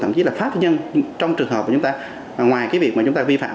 thậm chí là pháp nhân trong trường hợp mà chúng ta ngoài cái việc mà chúng ta vi phạm